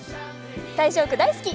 大正区大好き！